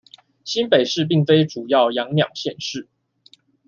新北市並非主要養鳥縣市